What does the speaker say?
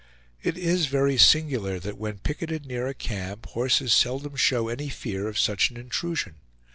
It is very singular that when picketed near a camp horses seldom show any fear of such an intrusion.